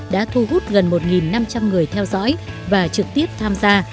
đã thu hút gần một năm trăm linh người theo dõi và trực tiếp tham gia